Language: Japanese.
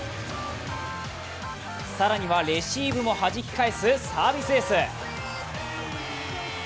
更にはレシーブもはじき返すサービスエース。